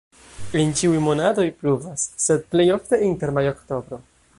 En ĉiuj monatoj pluvas, sed plej ofte inter majo-oktobro.